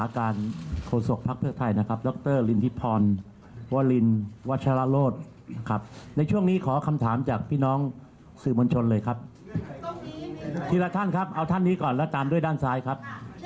คุณเจ้าคุณสอบเวลานะครับ